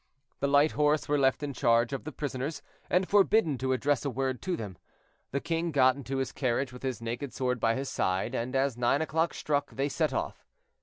The light horse were left in charge of the prisoners, and forbidden to address a word to them. The king got into his carriage with his naked sword by his side, and, as nine o'clock struck, they set off.